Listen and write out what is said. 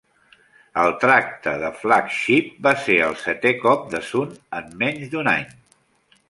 El tracte de Flagship va ser el setè cop de Sun en menys d'un any.